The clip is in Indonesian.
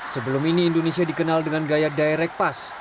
sebelum ini indonesia dikenal dengan gaya direct pass